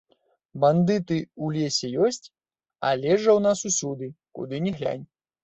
Бандыты ў лесе ёсць, а лес жа ў нас усюды, куды ні глянь.